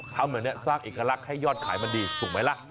ทำแบบนี้สร้างเอกลักษณ์ให้ยอดขายมันดีถูกไหมล่ะ